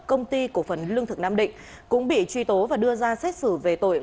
công ty cổ phần lương thực nam định cũng bị truy tố và đưa ra xét xử về tội